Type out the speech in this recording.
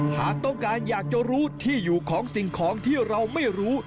หากต้องการอยากจะรู้ที่อยู่ของสิ่งของที่เราไม่รู้